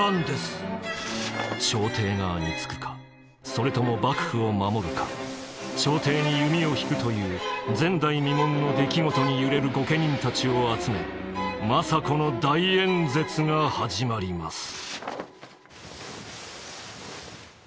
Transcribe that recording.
朝廷側につくかそれとも幕府を守るか朝廷に弓を引くという前代未聞の出来事に揺れる御家人たちを集め政子の大演説が始まります。